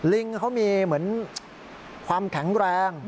ลิงเขามีเหมือนความแข็งแรง